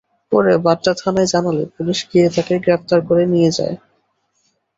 পরে বাড্ডা থানায় জানালে পুলিশ গিয়ে তাঁকে গ্রেপ্তার করে নিয়ে যায়।